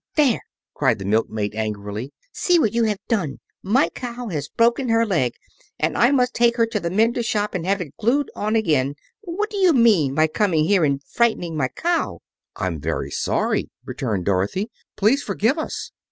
"There!" cried the milkmaid angrily. "See what you have done! My cow has broken her leg, and I must take her to the mender's shop and have it glued on again. What do you mean by coming here and frightening my cow?" "I'm very sorry," returned Dorothy. "Please forgive us."